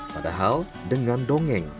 padahal dengan dongeng